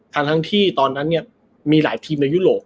ทั้งที่ตอนนั้นเนี่ยมีหลายทีมในยุโรป